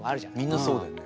みんなそうだよね。